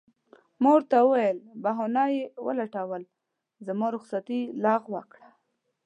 ما ورته وویل: بهانه یې ولټول، زما رخصتي یې لغوه کړه.